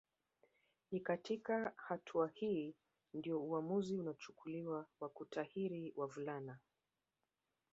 Ni katika hatua hii ndio uamuzi unachukuliwa wa kutahiri wavulana